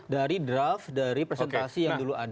dari draft dari presentasi yang dulu ada